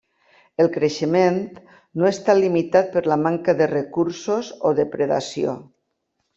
El creixement no està limitat per la manca de recursos o depredació.